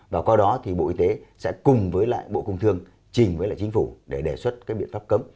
và qua đó thì bộ y tế sẽ cùng với lại bộ công thương trình với lại chính phủ để đề xuất cái biện pháp cấm